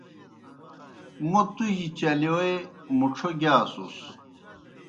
موْ تُجیْ چلِیوئے مُڇھو گِیاسُس۔